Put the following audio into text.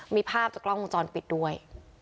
มีภาพจากกล้องวงจรปิดด้วย